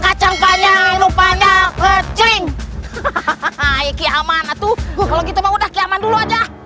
kalau gitu mbak udah kiaman dulu saja